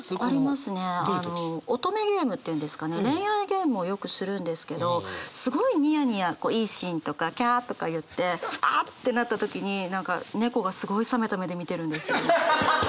恋愛ゲームをよくするんですけどすごいニヤニヤいいシーンとか「キャ」とか言って「あ」ってなった時に何か猫がすごい冷めた目で見てるんですよ。